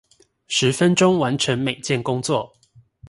十分鐘完成每件工作